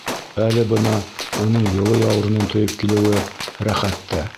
Әле бына уның йылы яурынын тойоп килеүе рәхәт тә.